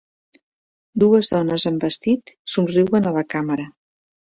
Dues dones amb vestit somriuen a la càmera.